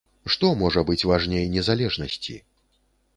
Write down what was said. Што можа быць важней незалежнасці?